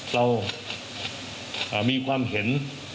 เรามีความเห็น